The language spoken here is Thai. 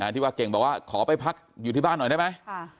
ที่ว่าเก่งบอกว่าขอไปพักอยู่ที่บ้านหน่อยได้ไหม